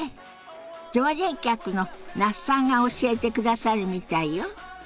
常連客の那須さんが教えてくださるみたいよ。